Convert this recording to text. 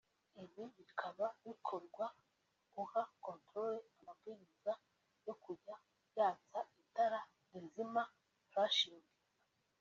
ibi bikaba bikorwa uha controller amabwiriza yo kujya yatsa itara rizima (flashing)